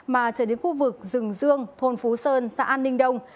mà trở đến khu vực rừng dương thôn phú sơn xã an ninh đông